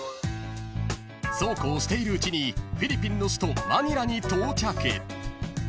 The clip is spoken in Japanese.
［そうこうしているうちにフィリピンの首都マニラに到着］